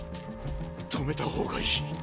止めた方がいい。